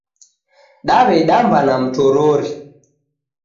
Dawedamba na mtorori